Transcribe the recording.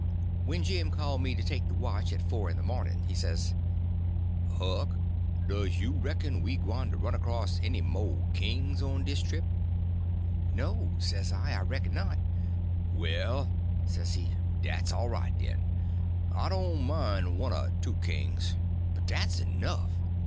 When Jim called me to take the watch at four in the morning, he says: "Huck, does you reck'n we gwyne to run acrost any mo' kings on dis trip?" "No," I says, "I reckon not." "Well," says he, "dat's all right, den. I doan' mine one er two kings, but dat's enough.